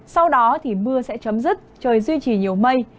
sau đó thì mưa sẽ chấm dứt trời duy trì nhiều mây